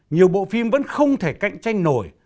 nhiều bộ phim vẫn không thể cạnh tranh nổi